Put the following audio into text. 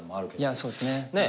いやそうですね。